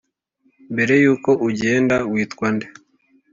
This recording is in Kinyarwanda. "mbere yuko ugenda; witwa nde?